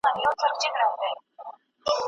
که په کور کې زده کړه وي نو استعداد نه وژل کیږي.